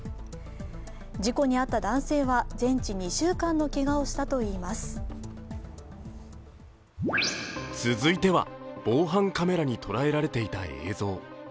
事故に遭った男性は全治２週間のけがをしたといいます続いては防犯カメラに捉えられていた映像。